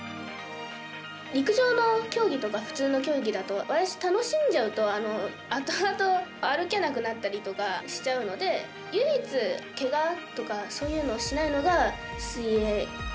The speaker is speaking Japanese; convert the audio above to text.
陸上の競技とか普通の競技だと私、楽しんじゃうとあとあと歩けなくなったりとかしちゃうので唯一、けがとかそういうのをしないのが水泳で。